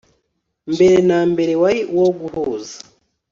mbere na mbere wari uwo guhuza